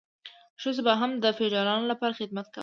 ښځو به هم د فیوډالانو لپاره خدمت کاوه.